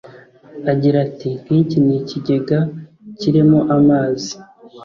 Agira ati “Nk’iki ni ikigega kirimo amazi